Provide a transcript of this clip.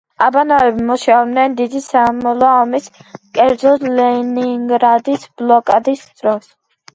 აბანოები მუშაობდნენ დიდი სამამულო ომის, კერძოდ ლენინგრადის ბლოკადის დროს.